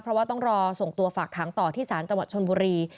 เพราะว่าต้องรอส่งตัวฝากค้างต่อที่สชบุรี